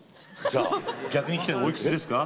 逆に聞くけどおいくつですか？